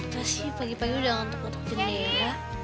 kendi aku mau ngomong sama kamu sebentar